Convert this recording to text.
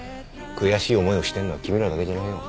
悔しい思いをしてんのは君らだけじゃないよ。